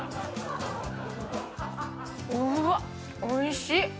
おいしい！